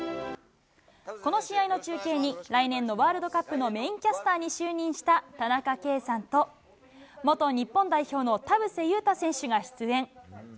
この試合の中継に、来年のワールドカップのメインキャスターに就任した田中圭さんと、元日本代表の田臥勇太選手が出演。